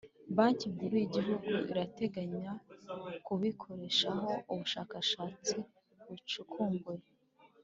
banki nkuru y'igihugu irateganya kubikoreshaho ubushakashatsi bucukumbuye.